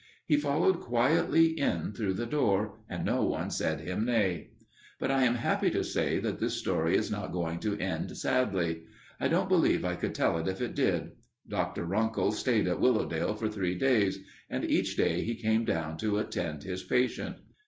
He followed quietly in through the door, and no one said him nay. But I am happy to say that this story is not going to end sadly. I don't believe I could tell it if it did. Dr. Runkle stayed at Willowdale for three days, and each day he came down to attend his patient.